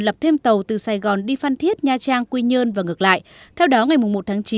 lập thêm tàu từ sài gòn đi phan thiết nha trang quy nhơn và ngược lại theo đó ngày một tháng chín